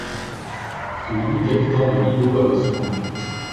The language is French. que l’unique habitant de l’îlot avait succombé.